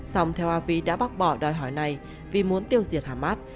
sòng theo avi đã bác bỏ đòi hỏi này vì muốn tiêu diệt hamas